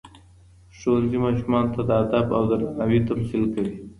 ښوونځی ماشومانو ته د ادب او درناوي تمثیل کوي.